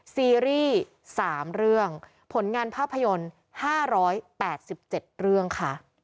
ซีรีส์๓เรื่องผลงานภาพยนตร์๕๘๗เรื่องค่ะ